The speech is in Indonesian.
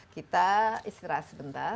kita istirahat sebentar